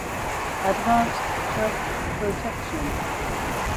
Advanced Threat Protection